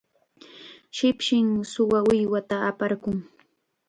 shipshim suwa uywata aparqun.